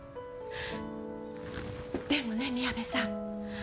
でもね宮部さん。